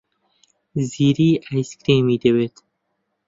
زیری ئایسکرێمی دەوێت.